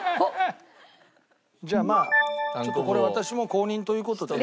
じゃあまあこれは私も公認という事で。